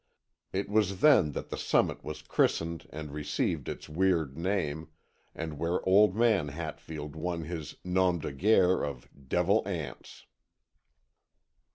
It was then that the summit was christened and received its weird name, and where old man Hatfield won his "nom de guerre" of "Devil Anse."